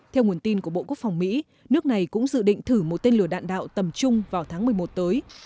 theo nguồn tin của bộ quốc phòng mỹ nước này cũng dự định thử một tên lửa đạn đạo tầm trung vào tháng một mươi một tới